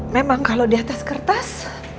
memang kalau di atas kertas